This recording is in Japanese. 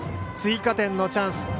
追加点のチャンス。